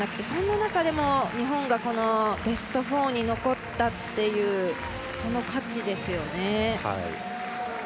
そんな中でも、日本がベスト４に残ったというその価値ですよね。